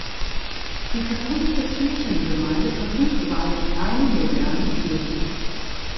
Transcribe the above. Die katholische Kirchengemeinde verfügt über eine kleine moderne Kirche.